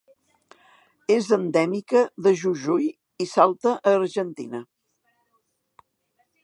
És endèmica de Jujuy i Salta a Argentina.